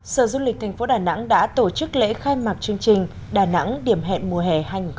sở du lịch thành phố đà nẵng đã tổ chức lễ khai mạc chương trình đà nẵng điểm hẹn mùa hè hai nghìn hai mươi